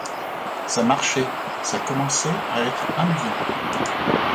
Ça marchait, ça commençait à être amusant.